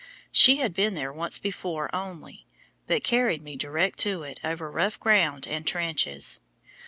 She had been there once before only, but carried me direct to it over rough ground and trenches.